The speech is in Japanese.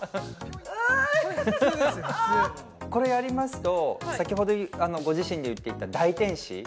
あこれやりますと先ほどご自身で言っていた大転子